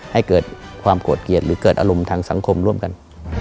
ให้เกิดความโกรธเกลียดหรือเกิดอารมณ์ทางสังคมร่วมกัน